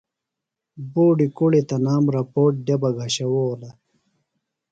بوڈیۡ کُڑی تنام رپوٹ دےۡ بہ گھشوؤلہ۔